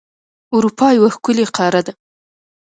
اروپا یو ښکلی قاره ده.